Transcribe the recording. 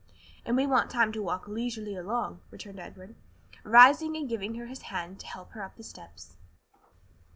"And we want time to walk leisurely along," returned Edward, rising and giving her his hand to help her up the steps.